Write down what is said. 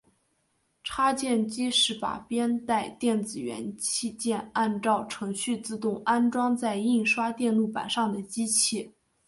插件机是把编带电子元器件按照程序自动安装在印刷电路板上的机器。